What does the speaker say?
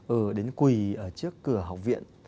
ừ đến quỳ ở trước cửa học viện